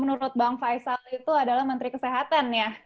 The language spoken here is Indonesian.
menurut bang faisal itu adalah menteri kesehatan ya